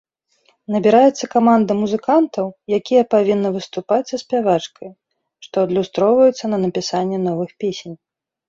Набіраецца каманда музыкантаў, якія павінны выступаць са спявачкай, што адлюстроўваецца на напісанні новых песен.